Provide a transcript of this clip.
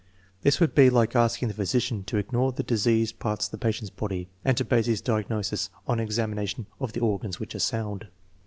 This would be like asking the physician to ignore the dis eased parts of his patient's body and to base his diagnosis on an examination of the organs which are sound!